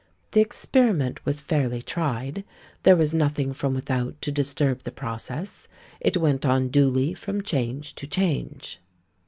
The experiment was fairly tried; there was nothing from without to disturb the process; it went on duly from change to change."